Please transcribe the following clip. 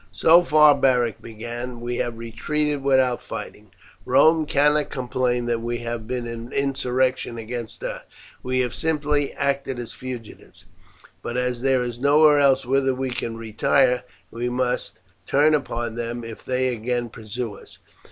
"So far," Beric began, "we have retreated without fighting; Rome cannot complain that we have been in insurrection against her, we have simply acted as fugitives; but as there is nowhere else whither we can retire, we must turn upon them if they again pursue us.